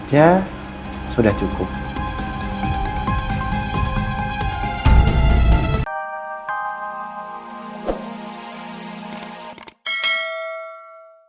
ya sudah cukup